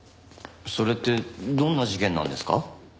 それってどんな事件なんですか？